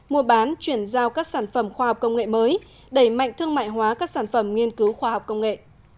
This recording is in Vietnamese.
mua bán chuyển giao các sản phẩm khoa học công nghệ mới đẩy mạnh thương mại hóa các sản phẩm nghiên cứu khoa học công nghệ